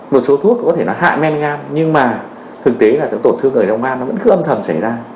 một số thuốc có thể nó hạ men gan nhưng mà thực tế là tổn thương thời trong gan nó vẫn cứ âm thầm xảy ra